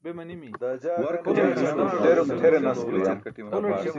Terum tʰere nas ke uyam.